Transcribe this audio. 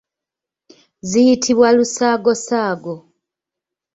Ziyitibwa lusaagosaago.